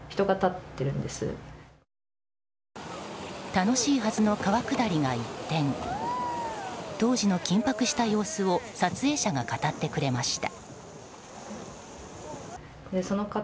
楽しいはずの川下りが一転当時の緊迫した様子を撮影者が語ってくれました。